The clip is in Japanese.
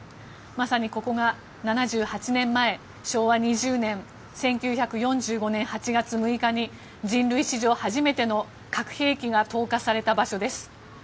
まさにここが、７８年前昭和２０年１９４５年８月６日に人類史上初めての核兵器が投下された場所です。